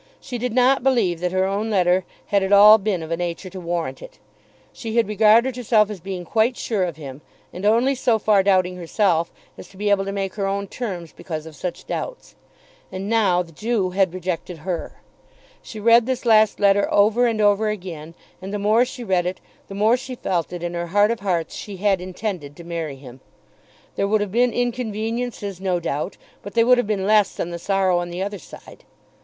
She did not believe that her own letter had at all been of a nature to warrant it. She had regarded herself as being quite sure of him, and only so far doubting herself, as to be able to make her own terms because of such doubts. And now the Jew had rejected her! She read this last letter over and over again, and the more she read it the more she felt that in her heart of hearts she had intended to marry him. There would have been inconveniences no doubt, but they would have been less than the sorrow on the other side.